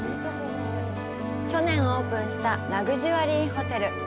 去年オープンしたラグジュアリーホテル。